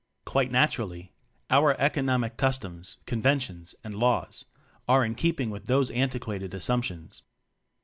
Quite natur ally our economic customs, conven tions and laws are in keeping with these antiquated assumptions.